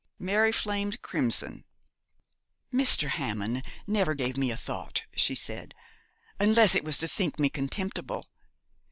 Mary flamed crimson. 'Mr. Hammond never gave me a thought,' she said, 'unless it was to think me contemptible.